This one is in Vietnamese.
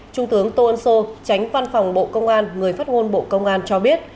trung tướng tô ân sô tránh văn phòng bộ công an người phát ngôn bộ công an cho biết